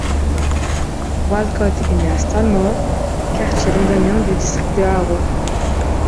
Walcott est né à Stanmore, quartier londonien du district de Harrow.